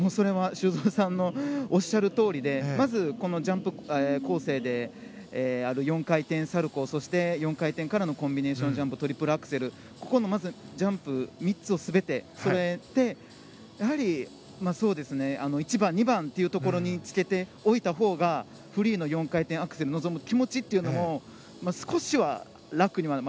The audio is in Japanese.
修造さんのおっしゃるとおりでまずジャンプ構成でやる４回転サルコウそして、４回転からのコンビネーションジャンプトリプルアクセルというジャンプ３つを全てそろえてやはり１番、２番というところにつけておいたほうがフリーの４回転アクセルに臨む気持ちというのも少しは楽に。